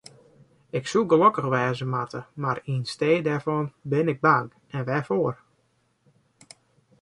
Ik soe gelokkich wêze moatte, mar yn stee dêrfan bin ik bang, en wêrfoar?